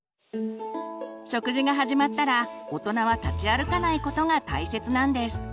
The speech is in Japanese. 食事が始まったら大人は立ち歩かないことが大切なんです。